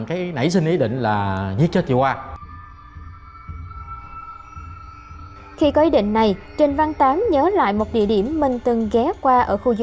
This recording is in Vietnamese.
hãy đăng kí kênh để nhận thông tin nhất